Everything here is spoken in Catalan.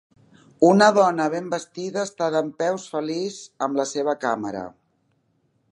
Una dona ben vestida està dempeus feliç amb la seva càmera.